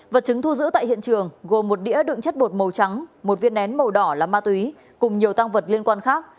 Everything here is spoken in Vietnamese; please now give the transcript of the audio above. vật chứng thu giữ tại hiện trường gồm một đĩa đựng chất bột màu trắng một viên nén màu đỏ là ma túy cùng nhiều tăng vật liên quan khác